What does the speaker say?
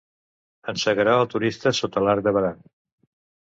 Encegarà el turista sota l'Arc de Berà.